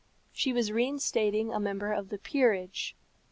She was reinstating a member of the peerage.